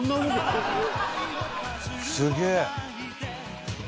すげえ！